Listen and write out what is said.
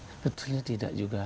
sebetulnya tidak juga